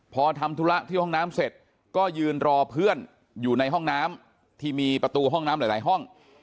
พอทำธุระที่ห้องน้ำเสร็จก็ยืนรอเพื่อนอยู่ในห้องน้ำที่มีประตูห้องน้ำหลายห้อง